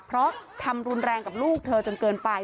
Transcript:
เพราะทำรุนแรงกับลูกเธอจนเกินไป